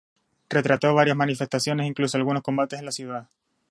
Retrató varias manifestaciones e incluso algunos combates en la ciudad.